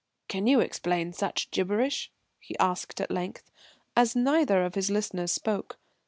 "Can you explain such gibberish?" he asked at length, as neither of his listeners spoke.